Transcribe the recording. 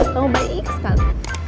kamu baik sekali